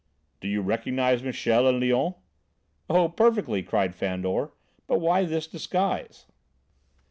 "Do you recognise Michel and Léon?" "Oh, perfectly!" cried Fandor, "but why this disguise?"